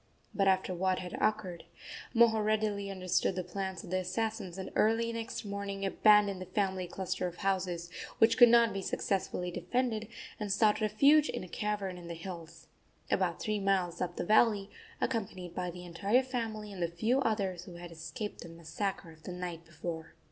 But, after what had occurred, Moho readily understood the plans of the assassins, and early next morning abandoned the family cluster of houses, which could not be successfully defended, and sought refuge in a cavern in the hills, about three miles up the valley, accompanied by the entire family and the few others who had escaped the massacre of the night before.